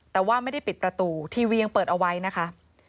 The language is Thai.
แต่ว่าไม่ได้ปิดประตูทีวียังเปิดเอาไว้นะคะ